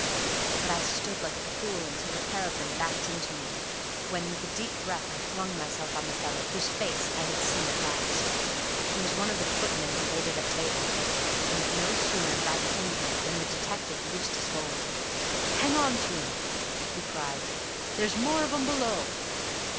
But I stood like a fool until the pair of them backed into me, when, with a deep breath I flung myself on the fellow, whose face I had seen at last. He was one of the footmen who waited at table; and no sooner had I pinned him than the detective loosed his hold. "Hang on to him," he cried. "There's more of 'em below."